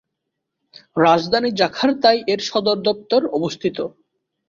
রাজধানী জাকার্তায় এর সদর দপ্তর অবস্থিত।